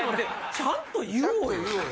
ちゃんと言おうよ。